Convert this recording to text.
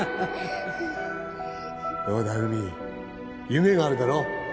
どうだ海夢があるだろ